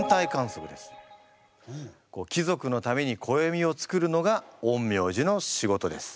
貴族のために暦をつくるのが陰陽師の仕事です。